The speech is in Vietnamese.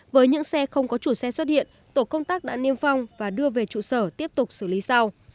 với những xe không có chủ xe xuất hiện tổ công tác đã niêm phong và đưa về trụ sở tiếp tục xử lý sau